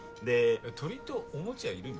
鳥っておもちゃ要るの？